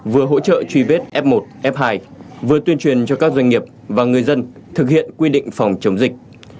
vừa hỗ trợ truy vết f một f hai vừa tuyên truyền cho các doanh nghiệp và người dân thực hiện quy định phòng chống dịch